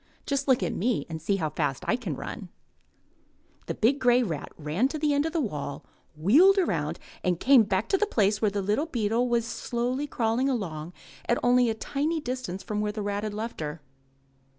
Just look at me and see how fast I can run." The big grey rat ran to the end of the wall, wheeled around, and came back to the place where the little beetle was slowly crawling along at only a tiny distance from where the rat had left her.